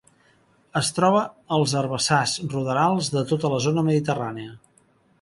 Es troba als herbassars ruderals de tota la zona mediterrània.